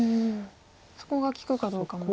そこが利くかどうかも。